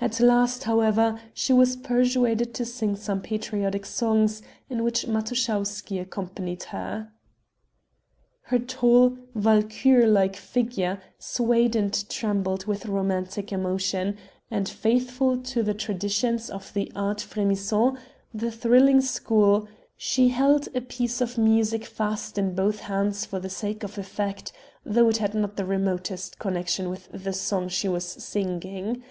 at last, however, she was persuaded to sing some patriotic songs in which Matuschowsky accompanied her. Her tall, Walkure like figure swayed and trembled with romantic emotion, and faithful to the traditions of the "art frémissant" the thrilling school she held a piece of music fast in both hands for the sake of effect, though it had not the remotest connection with the song she was singing.